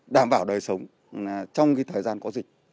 đảm bảo đời sống trong thời gian có dịch